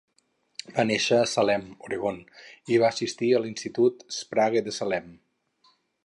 Va néixer a Salem (Oregon) i va assistir a l'Institut Sprague de Salem.